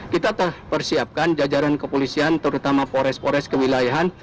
kita persiapkan jajaran kepolisian terutama pores pores kewilayahan